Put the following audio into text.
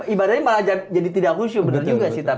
ibadahnya malah jadi tidak khusyuk